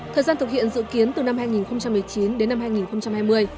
thời gian thực hiện dự kiến từ năm hai nghìn một mươi chín đến năm hai nghìn hai mươi